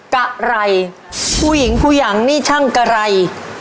กะไรผู้หญิงผู้ยังนี่ช่างกะไร